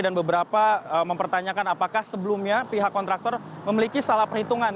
dan beberapa mempertanyakan apakah sebelumnya pihak kontraktor memiliki salah perhitungan